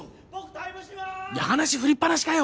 話振りっぱなしかよ！